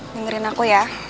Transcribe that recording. dengerin aku ya